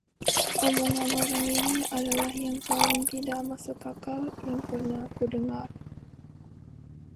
Omongan orang ini adalah yang paling tidak masuk akal yang pernah aku dengar!